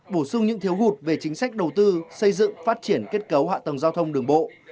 bổ sung những thiếu hụt về chính sách đầu tư xây dựng phát triển kết cấu hạ tầng giao thông đường bộ